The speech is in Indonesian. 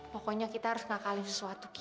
pokoknya kita harus ngakalin sesuatu kita